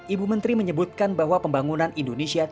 ibu menteri menyebutkan bahwa pembangunan indonesia